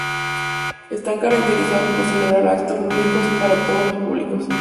Están caracterizadas por celebrar actos lúdicos para todos los públicos.